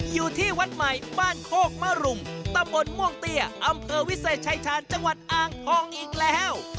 อยู่ที่วัดใหม่บ้านโคกมรุมตำบลม่วงเตี้ยอำเภอวิเศษชายชาญจังหวัดอ่างทองอีกแล้ว